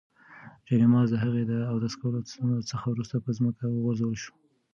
جاینماز د هغې د اودس کولو څخه وروسته په ځمکه وغوړول شو.